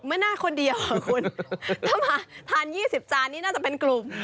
ไม่น่าคนเดียวอ่ะคุณถ้ามาทาน๒๐จานนี่น่าจะเป็นกลุ่ม